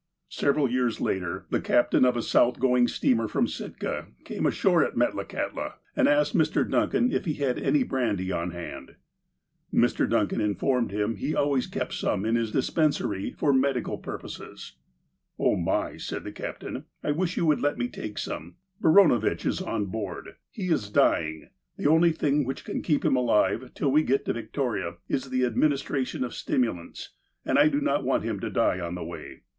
Several years later, the captain of a South going steamer from Sitka came ashore at Metlakahtla, and asked Mr. Duncan if he had any brandy on hand. Mr. Duncan informed him that he always kept some in his dispensary for medicinal purposes. "Oh, my," said the captain, "I wish you would let me take some. Baranovitch is on board. He is dying. The only thing which can keep him alive, till we get to Victoria, is the administration of stimulants, and I do not want him to die on the way.